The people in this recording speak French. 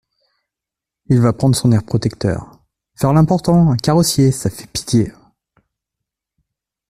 Il va prendre son air protecteur… faire l’important !… un carrossier ! ça fait pitié !